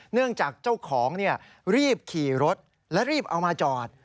เนื่องจากเจ้าของรีบขี่รถและรีบเอามาจอด